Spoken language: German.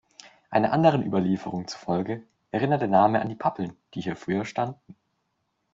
Einer anderen Überlieferung zufolge erinnert der Name an die Pappeln, die früher hier standen.